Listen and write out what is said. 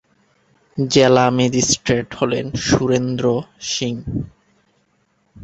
জেলা ম্যাজিস্ট্রেট হলেন সুরেন্দ্র সিং।